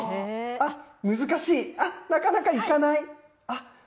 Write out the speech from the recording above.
難しい、なかなかいかない。